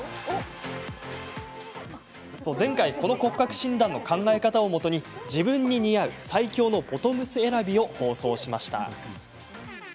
前回、この骨格診断の考え方をもとに、自分に似合う最強のボトムス選びを放送しました。